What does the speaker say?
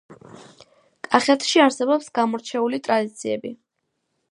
კახეთში არსებობს გამორჩეული ტრადიციები